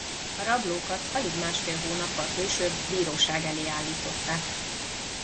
A rablókat alig másfél hónappal később bíróság elé állították.